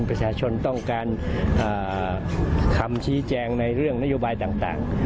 ประชาชนต้องการคำชี้แจงในเรื่องนโยบายต่าง